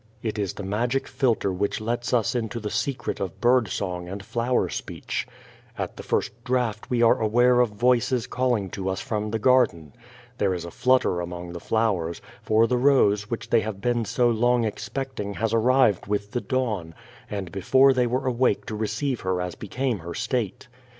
It is the magic philtre which lets us into the secret of bird song and flower speech. At the first draught we are 10 The Child Face aware of voices calling to us from the garden. There is a flutter among the flowers, for the rose which they have been so long expecting has arrived with the dawn, and before they were awake to receive her as became her state.